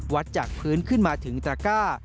จากพื้นขึ้นมาถึงตระก้า